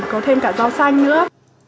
có thêm cả rau xanh nữa